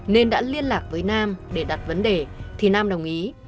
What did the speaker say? nên đã liên lạc với nam để đặt vấn đề thì nam đồng ý